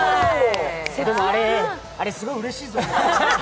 でもあれ、すごいうれしいぞ。